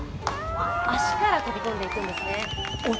足から飛び込んでいくんですね。